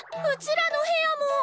うちらの部屋も！